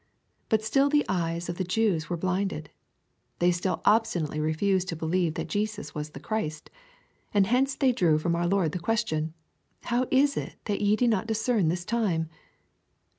But still the eyes of the Jews were blinded. They still obstinately refused to believe that Jesus was the Christ. And hence they drew from our Lord the question, —" How is it that ye do not discern this time